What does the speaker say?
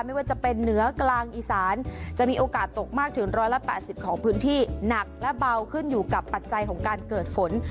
ไม่ว่าจะเป็นเหนือกลางอีสานจะมีโอกาสตกมากถึง๑๘๐ของพื้นที่หนักและเบาขึ้นอยู่กับปัจจัยของการเกิดฝน